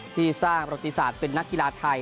ที่สร้างประศนิษฌาติเป็นนักกีฬาไทย